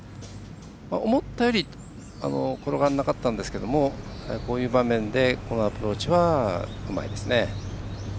思ったより転がらなかったんですけどこういう場面でこのアプローチはうまいですね。